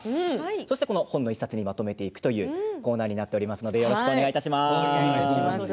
そして、この本の１冊にまとめていくというコーナーになっておりますのでよろしくお願いします。